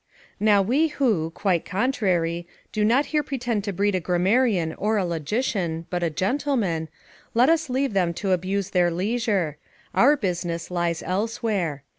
Now we who, quite contrary, do not here pretend to breed a grammarian or a logician, but a gentleman, let us leave them to abuse their leisure; our business lies elsewhere.